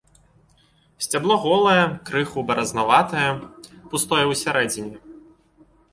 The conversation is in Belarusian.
Сцябло голае, крыху баразнаватае, пустое ў сярэдзіне.